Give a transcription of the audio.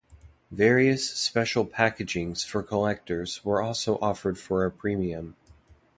Various special packagings for collectors were also offered for a premium.